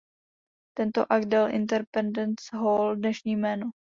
Tento akt dal Independence Hall dnešní jméno.